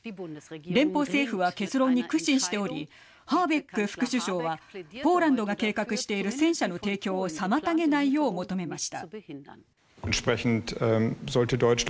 連邦政府は結論に苦心しておりハーベック副首相はポーランドが計画している戦車の提供を妨げないよう求めました。